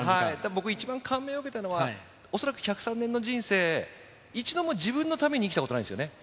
僕、一番感銘を受けたのは、恐らく１０３年の人生、一度も自分のために生きたことないんですよね。